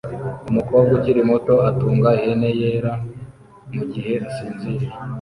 Umukobwa ukiri muto atunga ihene yera mugihe asinziriye